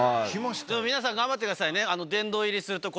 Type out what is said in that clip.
皆さん頑張ってくださいね。